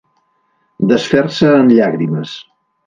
Desfer-se en llàgrimes.